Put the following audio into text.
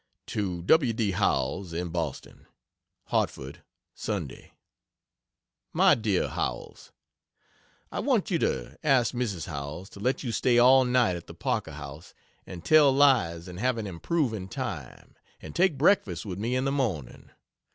To W. D. Howells, in Boston: HARTFORD, Sunday. MY DEAR HOWELLS, I want you to ask Mrs. Howells to let you stay all night at the Parker House and tell lies and have an improving time, and take breakfast with me in the morning.